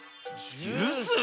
ジュース？